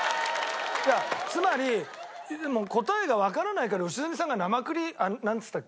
つまり答えがわからないから良純さんが生クリームなんつったっけ？